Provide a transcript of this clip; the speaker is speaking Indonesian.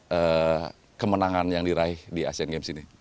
dan juga kemenangan yang diraih di asean games ini